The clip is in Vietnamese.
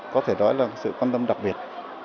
có thể nói là sự quan tâm đặc biệt